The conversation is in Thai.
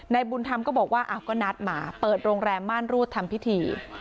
บุญธรรมก็บอกว่าก็นัดมาเปิดโรงแรมม่านรูดทำพิธี